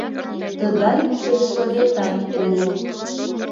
Тыгай сельсоветат уло.